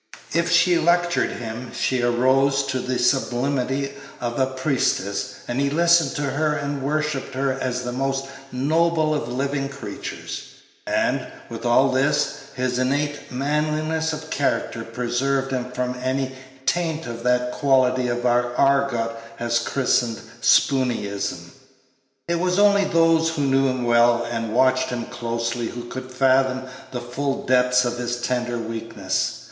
If she lectured him, she arose to the sublimity of a priestess, and he listened to her and worshipped her as the most noble of living creatures. And, with all this, his innate manliness of character preserved him from any taint of that quality our argot has christened spooneyism. It was only those who knew him well and watched him closely who could fathom the full depths of his tender weakness.